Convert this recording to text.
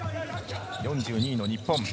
４２位の日本。